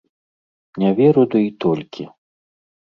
Не веру ды і толькі!